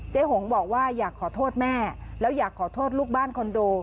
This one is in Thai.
หงบอกว่าอยากขอโทษแม่แล้วอยากขอโทษลูกบ้านคอนโด